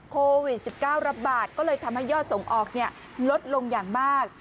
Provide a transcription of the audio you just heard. โควิด๑๙ระบาดก็เลยทำให้ยอดส่งออกลดลงอย่างมาก